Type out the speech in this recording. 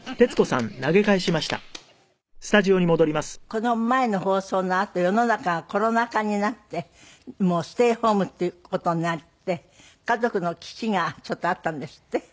この前の放送のあと世の中がコロナ禍になってもうステイホームっていう事になって家族の危機がちょっとあったんですって？